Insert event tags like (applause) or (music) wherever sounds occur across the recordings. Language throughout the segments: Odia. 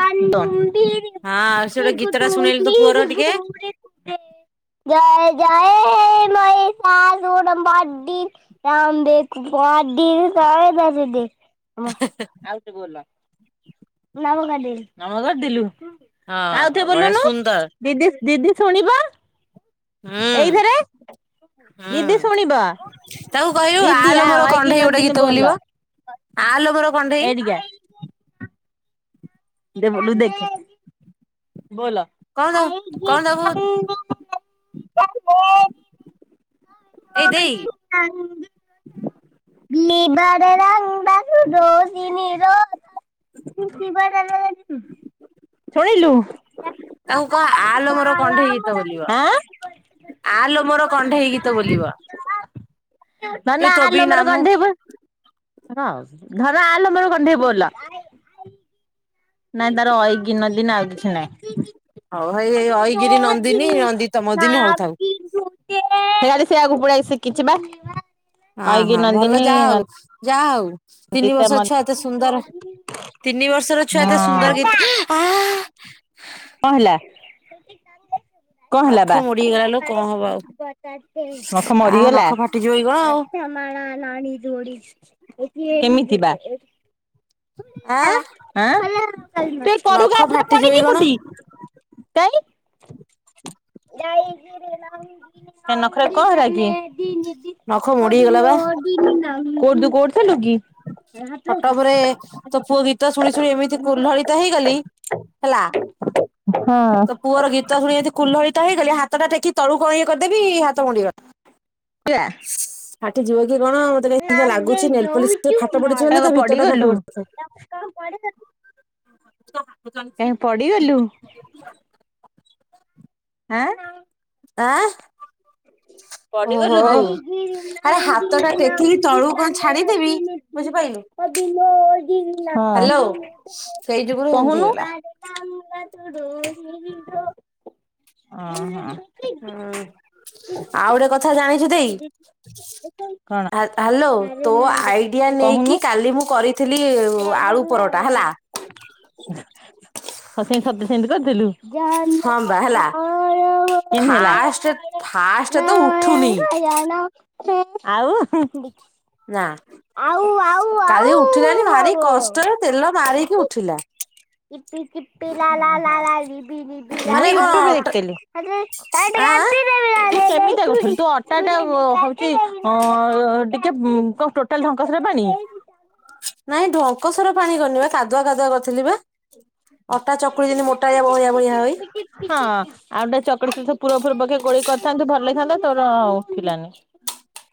ଆଉଥରେ ହଁ ସେ ଗୋଟେ ଗୀତ ଟା ଶୁଣେଇଲୁ ତୋ ପୁଅର ଟିକେ। ଜୟ ଜୟ ହେ ମହିଷାସୁର ବର୍ଦି (unintelligible) ହେଁ ହେଁ। ଆଉ ଥରେ ବୋଲ। (unintelligible) ନମ କରିଥିଲୁ ହଁ ଆଉ ହଁ ଥରେ ବଢିଆ ବୋଲୁନୁ। ସୁନ୍ଦର ଦିଦି ଦିଦି ଶୁଣିବ। ହୁଁ। ଏଇଥରେ ଦିଦି ଶୁଣିବ ହୁଁ ତାକୁ କହିବୁ ଦିଦି ଆଲୋ ଆ ମୋର ଅଇକି କଣ୍ଢେଇ ଗୋଟେ ନନ୍ଦିନୀ ଗୀତ ବୋଲ ବୋଲିବ। ଆଲୋ ମୋର କଣ୍ଢେଇ। ଏଇଠିକି ଆ (unintelligible) ବୋଲ କଣ ତା କଣ ତାକୁ (unintelligible) ଏଇ ଦେଇ (unintelligible) (unintelligible) (unintelligible) ଶୁଣିଲୁ ତାକୁ କହ ଆଲୋ ମୋର କଣ୍ଢେଇ ଗୀତ ବୋଲିବ। ଆଁ ଆଲୋ ମୋର କଣ୍ଢେଇ ଗୀତ ବୋଲିବ। ଯୋଉ ଧନ ତୋ ବି ଆଲୋ ମୋର ନାମୁ କଣ୍ଢେଇ ଧନ ଆଲୋ ମୋର କଣ୍ଢେଇ ବୋଲୋ। ନାଇଁ ତାର ଅଇଗିନ ଦିନ ଆଉ କିଛି ନାଇଁ। ହଉ ହେଇ ଏଇ ଅଇଗିରି (unintelligible) ନନ୍ଦିନୀ (unintelligible) ନନ୍ଦିତ ମଦିନୀ ସେ ହଉଥାଉ ଆଗକୁ ପଲେଇ ଆଇଚି ଶିଖିଛି ବା ହଁ ଅଇକି ହଁ ଭଲ ନନ୍ଦିନୀ ଯା ଆଉ ଯା ଆଉ ତିନି ନନ୍ଦିତା ବର୍ଷ ଛୁଆ ଏତେ ସୁନ୍ଦର ତିନି ବର୍ଷର ଛୁଆ ଏତେ ସୁନ୍ଦର ହଁ ଗୀ କଣ ହେଲା? କଣ ହେଲା ବା ନଖ ମୋଡ଼ି ହେଇଗଲା ଲୋ କଣ ହବ ଆଉ। ନଖ ଆ ମରିଗଲା? ନଖ ଫାଟିଯିବ କି କଣ ଆଉ କେମିତି ବା? ଆଁ ଆଁ ତୁ ଏଇ କରକୁ ଆସେନି ନଖ ପଡି଼ଯିବୁ ଫାଟିଯିବ କି କଣ? ଟି। (unintelligible) (unintelligible) କଣ ହେଲାକି ନଖ ମୋଡି ହେଇଗଲା ବା କୋଉଠି ତୁ କୋଉଠି ଥିଲୁ କି? ଖଟ ଉପରେ ତୋ ପୁଅ ଗୀତ ଶୁଣି ଶୁଣି ଏମିତି କୁଲହଳିତ ହେଇଗଲି ହେଲା ହୁଁ। ତୋ ପୁଅର ଗୀତ ଶୁଣି (unintelligible) ହେଇଗଲି ହାତ ଟା ଟେକିକି ତଳକୁ ଇଏ କରିଦେଲି ହାତ ମୋଡି଼ ହେଇଗଲା। (unintelligible) କି କଣ ମତେ କାଇଁ ସେମିତିଆ ଲାଗୁଛି ନେଲପଲିସ୍ ରେ ଫାଟ ପଡିଛି ମାନେ ତା (unintelligible) ଭିତରଟା ଫାଟ ପଡି଼ଗଲୁ? ପଡିଥିବ। ତ ବାଟ କାଇଁ ଚାଲୁଛି ପଡିଗଲୁ (unintelligible) ଆଁ। ଆଁ। ପଡିଗଲୁ ଓହୋ ତୁ। ହଁ ଆରେ ହାତଟା ଟେକିକି ତଳୁକୁ କଣ ଛାଡିଦେବି ବୁଝିପାଇଲୁ କହୁନୁ। ହ୍ୟାଲୋ ସେଇ ଯୁଗୁରୁ ଏମିତି ହେଇଗଲା। ଅ ହଁ। ହୁଁ ଆଉ ଗୋଟେ କଥା ଜାଣିଛୁ ଦେଇ? କ ହା ହାଲୋ ଣ ତୋ ଆଇଡିଆ ନେଇକି କହୁନୁ। କାଲି ମୁଁ କରିଥିଲି ଆଳୁ ପରଟା ହେଲା। ହଁ ସେମିତି (unintelligible) ସେମିତି କରିଦେଲୁ। ହଁ ବା ହେଲା କିନ ହେଲା? ଫାଷ୍ଟ ଫାଷ୍ଟ ତ ଉଠୁନି ଆଉ ହୁଁ ହୁଁ। ନା କାଲି ଉଠିଲାନି ଭାରି କଷ୍ଟରେ ତେଲ ମାରିକି ଉଠିଲା। (inaudible) ଓହୋ ମୁଁ ୟୁ ଟ୍ୟୁବ୍ ମାନେ ରେ କଣ ଅଟା ଦେଖିଥିଲି। ଆଁ ଏମିତିଆ କରୁଥୁଲ ତୁ ଅଟା ଟା ଅ ହଉଚି ଅଁ ଟିକେ ଉଁ କଣ ଟୋଟାଲ ଢ଼ଙ୍କସ ରେ ପାଣି। ନାଇଁ ଢଙ୍କସର ପାଣି କରିନି ବା କାଦୁଆ କାଦୁଆ କରିଥିଲି ବା। ଅଟା ଚକୁଳି ଯେମିତି ମୋଟାଳିଆ ବହଳିିଆ ବହଳିିଆ ହୋଇ। ହଁ ଆଉ ଟେ ଚକୁଳି ସେ ସେ ପୁର ଉପରେ ପକେଇକି ଗୋଳେଇ କରିଥାନ୍ତୁ ଭଲ ହେଇଥାନ୍ତା ତୋର ଉଠିଲାନି।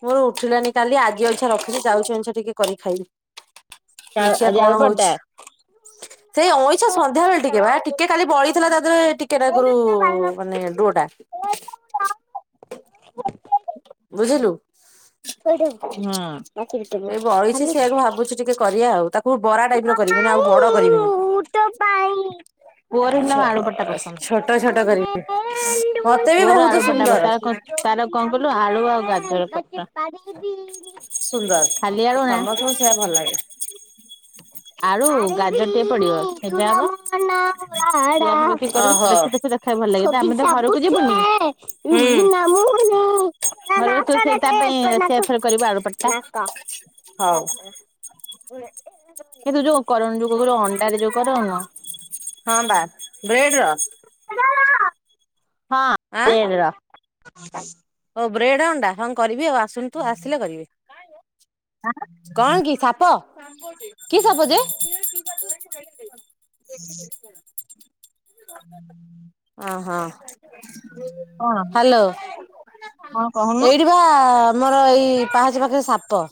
ମୋର ଉଠିଲାନି କାଲି ଆଜି ଅଇଛା ରଖିଲି ଯାଉଛି ଅଇଁଛା ଟିକେ କରି ଖାଇବି। ଦେଖିଆ ଆଜି ଆଳୁ କଣ ପରଟା? ହଉଛି। ସେଇ ଅଇଁଛା ସନ୍ଧ୍ୟା ବେଳେ ଟିକେ ବା ଟିକେ କାଲି ବଳିଥିଲା ତା ଦେହରେ ଟିକେ ନାକୁରୁ ମାନେ ଡୋ ଟା। ହ ବୁଝିଲୁ। ଏ ବଳିଛି ସେଇଆକୁ ହୁଁ। ଭାବୁଛି ଟିକେ କରିଆ ଆଉ ତାକୁ ବରା ଟାଇପ ର କରିବେ ମାନେ ଆଉ ବଡ କରିବେନି। ପୁଅର ହେଦିନ ଆଳୁ ପରଟା ପସନ୍ଦ। ଛୋ-ଛୋଟ ଛୋଟ କରିବି ମତେ ବି ପୁଅର ବହୁତୁ ଆଳୁ ପରଟା ପସନ୍ଦ ସୁନ୍ଦର। ତାର କଣ ତାର କଣ କହିଲୁ ଆଳୁ ଆଉ ଗାଜର ପରଟା। ସୁନ୍ଦର ଖାଲି ଆଳୁ ନା ସମସ୍ତଙ୍କୁ ସେୟା ଭଲ ଲାଗେ। ଆଳୁ, ଗାଜର ଟିକେ ପଡିବ ସିଝା ହବ। (inaudible) ଦେଖିକି କରିବୁ ଓହୋ ଦେଖୁ ଦେଖୁ ଦେଖାଏ ଭଲ ଲାଗିବ ଆରେ ଆମେ ତ ଘରକୁ ଯିବୁନି। ହୁଁ ରୋଗୀ ନାମ ହେଲା ନହେଲେ ବି ତୁ ସେ ତା ପାଇଁ ସେୟା ଥରେ କରିବୁ ଆଳୁ ପରଟା। ହ ହଉ କିନ୍ତୁ ଯୋଉ କରନ ଯୋଉ କହୁଥୁଲୁ ଅଣ୍ଡଟାରେ ଯୋଉ କରୁନୁ। ହଁ ବା ବ୍ରେଡ ର। ହଁ ବେଡ ର। ଓ ବ୍ରେଡ୍ ଅଣ୍ଡା ହଁ କରିବି ଆଉ ଆସନୁ ତୁ ଆସିଲେ କରିବି। ହାଁ। କଣ କି ସାପ କି ସାପ ଯେ? ହଜ ହୁଁ ଅ ହଁ କଣ ହାଲୋ ହଁ କହୁନୁ? ଏଇଠି ବା ଆମର ଏଇ ପାହାଚ ପାଖରେ ସାପ।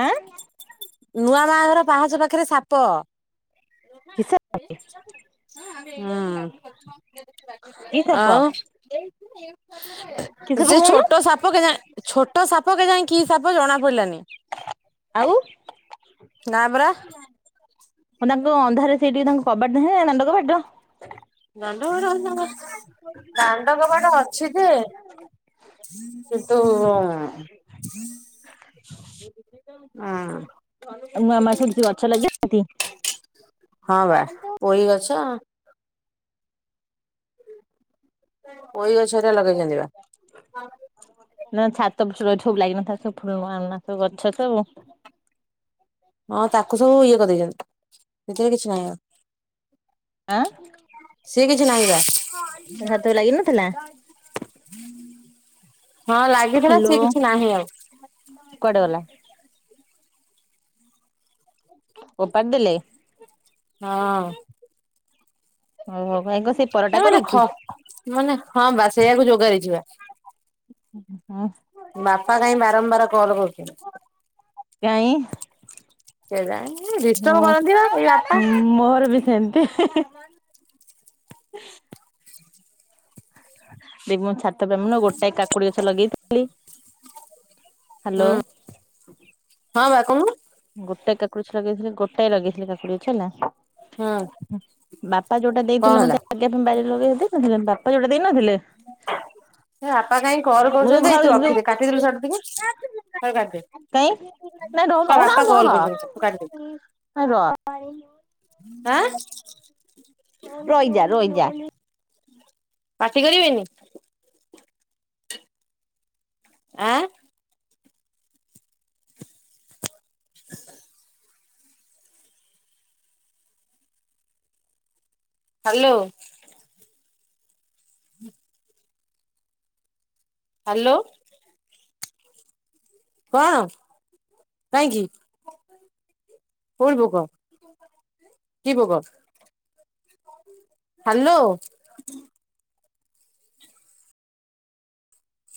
ଆଁ। ନୂଆ ମା ଘର ପାହାଚ ପାଖେରେ ସାପ। କି ସାପ ହୁଁ କି ସାପ ଆଉ। କି ସାପ ସେ କହୁନୁ? ଛୋଟ ସାପ କେଜାଣି ଛୋଟ ସାପ କେଜାଣି କି ସାପ ଜଣାପଡିଲାନି। ଆଉ? ନା ପରା। କଁ ତାଙ୍କ ଅନ୍ଧାର ସେଇଠି ତାଙ୍କ କବାଟ ନାହିଁନା ଦାନ୍ଦ କବାଟ? ଦାଣ୍ଡ କବାଟ ଅଛି ତାଙ୍କର ଦାଣ୍ଡ କବାଟ ଅ ଅଛି ଯେ କିନ୍ତୁ ଉମ୍ ଉଁ ମୁଁ ଆମା ସେମତି ଗଛ ଲଗାନ୍ତି? ହଁ ବା ପୋଇ ଗଛ ପୋଇ ଗଛ ଏକା ଲଗେଇଚନ୍ତି ବା। ନା ଛାତକୁ ସବୁ ଏଠି ସବୁ ଲାଗିିନଥାଏ ସବୁ ଫୁଲ ଆନା ସବୁ ଗଛ ସବୁ। ହଁ ତାକୁ ସବୁ ଇଏ କରିଦେଇଚନ୍ତି ସେଥିରେ କିଛି ନାହିଁ ଆଉ। ସିଏ କିଛି ନାହିଁ ବା। ଉଁ ହାତକୁ ବି ଲାଗିନଥିଲା? ହଁ ଲାଗିଥିଲା ସିଏ କିଛି ନାହିଁ ଆଉ। କୁଆଡ଼େ ଗଲା? ଓପାଡି ଦେଲେ? ହଁ। ହୋଉ ହୋଉ ଭାଇଙ୍କ ସ୍ ହେ ମାନେ ଖ ମାନେ ହଁ ବା ସେଇଆକୁ ଯୋଗାରି ଯିବା। ଆଁ? ବାପା କାଇଁ ବାରମ୍ବାର କଲ କରୁଚନ୍ତି? କାଇଁ କେଜାଣି ଡିଷ୍ଟପ ମୁଁ କରନ୍ତି ପା ଏଇ ବାପା। ମୋର ବି ସେମତି। ବି ମୁଁ ଛାତ ଓପରେ ମୁଁ ନା ଗୋଟାଏ କାକୁଡି ଗଛ ଲଗେଇଥିଲି ହୁଁ ହାଲୋ। ହଁ ବା କୋହୁନୁ। ଗୋଟେ କାକୁଡି ଗଛ ଲଗେଇଥିଲି ଗୋଟାଏ ଲଗେଇଥିଲି କାକୁଡି ଗଛ ହୁଁ ହେଲା। ବାପା ଯୋଉଟା କଣ ଦେଇଥିଲେ ହେଲା ମତେ ଆଗେ ପମ୍ ବାରିରେ ଲଗେଇବା ପାଇଁ ନୁହେନା ବାପା ଯୋଉଟା ଦେଇନଥିଲେ ହେ ବାପା କାହିଁ କଲ୍ ମୁଁ ଯୋଉ କରୁଚନ୍ତି ଏଇ ଘର ତୁ ଯୋଉ ରଖିଦେ କାଟିଦେଲୁ ସିଆଡୁ ଟିକେ ସାଡୁ କାଟିଦେ। ନା ରହୁ କହ ରହୁନ ବାପା କଲ୍ ରହ କରୁଛନ୍ତି ତୁ କାଟିଦେ ହେ ର। ଆଁ? ରହିଯା ରହିଯା। ପାଟି କରିବେନି ଆଁ? ହାଲୋ। ହାଲୋ? କଣ କାହିଁକି? କୋଉଠି ପୋକ କି ପୋକ? ହାଲୋ?